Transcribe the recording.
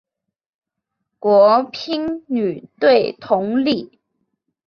国乒女队同理。